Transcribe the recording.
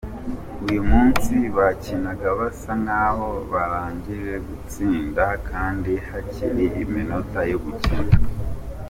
Uyu munsi bakinaga basa nk’aho barangije gutsinda kandi hakiri iminota yo gukina.